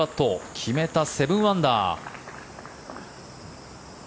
決めた、７アンダー。